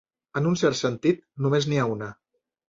En un cert sentit, només n'hi ha una.